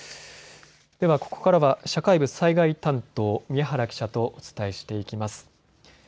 ではここからは社会部災害担当、宮原記者とお伝えしていきます。